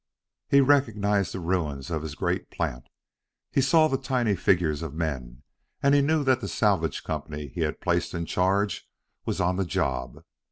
He recognized the ruins of his great plant; he saw the tiny figures of men, and he knew that the salvage company he had placed in charge was on the job.